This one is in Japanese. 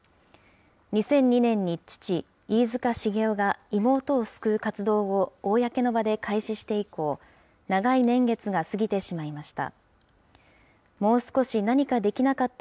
２００２年に父、飯塚繁雄が妹を救う活動を公の場で開始して以降、長い年月が過ぎてしまいました。